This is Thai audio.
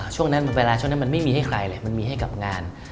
ช่วงนั้นมันไม่มีให้ใครเลยมันมีให้กับงาน